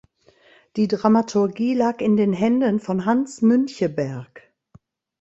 Die Dramaturgie lag in den Händen von Hans Müncheberg.